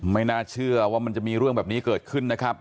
ไม่น่าเชื่อว่ามันจะมีเรื่องแบบนี้เกิดขึ้นนะครับ